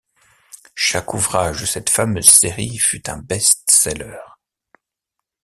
Chaque ouvrage de cette fameuse série fut un best-seller.